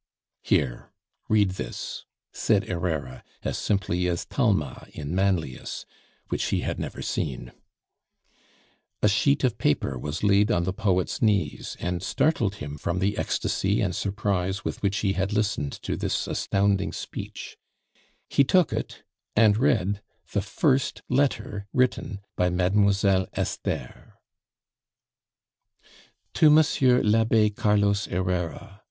Here, read this," said Herrera, as simply as Talma in Manlius, which he had never seen. A sheet of paper was laid on the poet's knees, and startled him from the ecstasy and surprise with which he had listened to this astounding speech; he took it, and read the first letter written by Mademoiselle Esther: To Monsieur l'Abbe Carlos Herrera.